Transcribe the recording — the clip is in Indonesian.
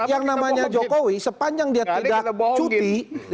yang namanya jokowi sepanjang dia tidak cuti